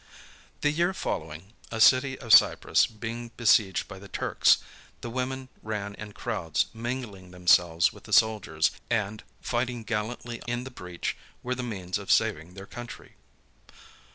The year following, a city of Cyprus being besieged by the Turks, the women ran in crowds, mingling themselves with the soldiers, and, fighting gallantly in the breach, were the means of saving their country.